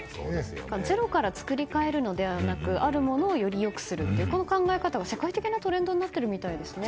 ゼロから作り変えるのでなくあるものをより良くするというこの考え方が世界的なトレンドになっているみたいですね。